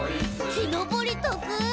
「きのぼりとくい！」